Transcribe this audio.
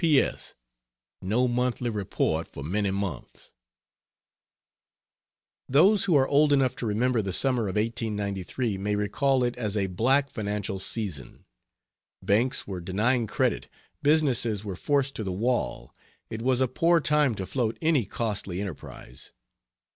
C. P. S. No monthly report for many months. Those who are old enough to remember the summer of 1893 may recall it as a black financial season. Banks were denying credit, businesses were forced to the wall. It was a poor time to float any costly enterprise.